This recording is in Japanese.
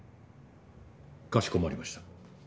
かしこまりました。